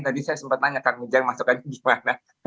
tadi saya sempat tanya kang ujang masuk aja gimana